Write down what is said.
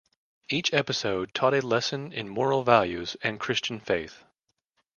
Each episode taught a lesson in moral values and Christian faith.